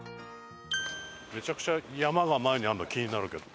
めちゃくちゃ山が前にあるの気になるけど。